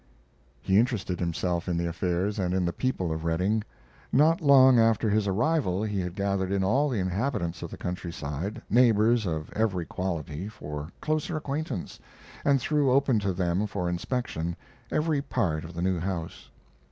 He interested himself in the affairs and in the people of Redding. Not long after his arrival he had gathered in all the inhabitants of the country side, neighbors of every quality, for closer acquaintance, and threw open to them for inspection every part of the new house.